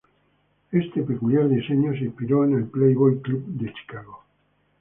Este peculiar diseño se inspiró en el Playboy Club de Chicago.